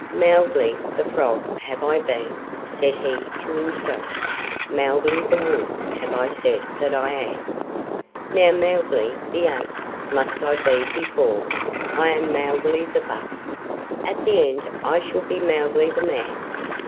"Mowgli the Frog have I been," said he to himself; "Mowgli the Wolf have I said that I am. Now Mowgli the Ape must I be before I am Mowgli the Buck. At the end I shall be Mowgli the Man.